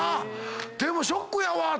でもショックやわぁ。